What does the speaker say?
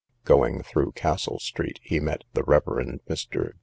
Going through Castle street, he met the Rev. Mr.